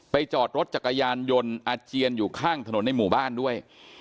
จอดรถจักรยานยนต์อาเจียนอยู่ข้างถนนในหมู่บ้านด้วย